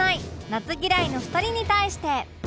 夏嫌いの２人に対して